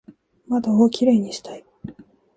窓をキレイにしたい